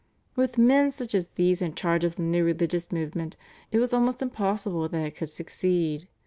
With men such as these in charge of the new religious movement it was almost impossible that it could succeed.